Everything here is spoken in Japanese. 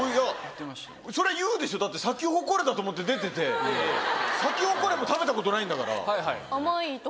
そりゃ言うでしょだってサキホコレだと思って出ててサキホコレも食べたことないんだから。